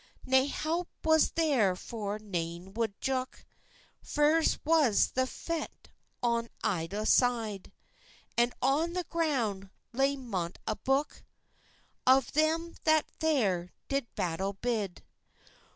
Nae help was thairfor, nane wald jouk, Ferss was the fecht on ilka syde, And on the ground lay mony a bouk Of them that thair did battil byd.